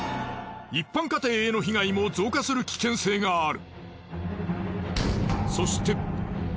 一般家庭への被害も増加する危険性がある。